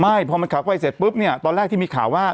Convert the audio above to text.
ไม่พอมันขับเข้าไปเสร็จปุ๊บเนี่ยตอนแรกที่มีข่าวว่า